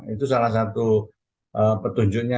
itu salah satu petunjuknya